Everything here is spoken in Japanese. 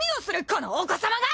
このお子さまが！